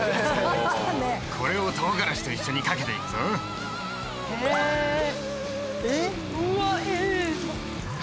・これを唐辛子と一緒にかけていくぞうわっええ！？